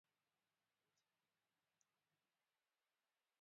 ساحرہ تہاڑی لاغی نی ہونی